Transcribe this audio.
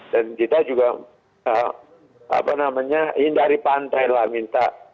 dan kita juga apa namanya ini dari pantai lah minta